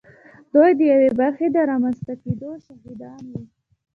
دوی د یوې برخې د رامنځته کېدو شاهدان وو